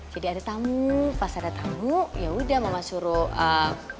jadi ada tamu pas ada tamu yaudah mama suka dateng tamu